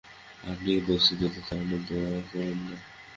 আপনি কি মসজিদে এদের তাড়ানোর দোয়া পড়েন না?